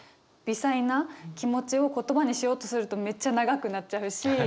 微細な気持ちを言葉にしようとするとめっちゃ長くなっちゃうし。